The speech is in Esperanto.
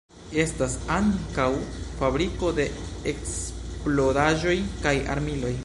Estas ankaŭ fabriko de eksplodaĵoj kaj armiloj.